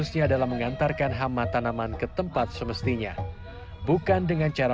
sama anggur pun seni